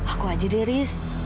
aku aja deh haris